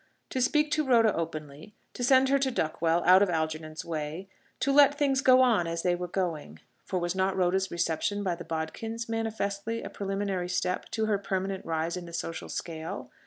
To speak to Rhoda openly; to send her to Duckwell, out of Algernon's way; to let things go on as they were going; (for was not Rhoda's reception by the Bodkins manifestly a preliminary step to her permanent rise in the social scale?)